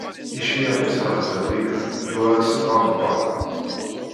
Iceyyeɛ mmi-s ar zawiya, yuɣal-as-d d aḍebbal.